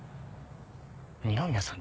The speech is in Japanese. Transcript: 二宮さん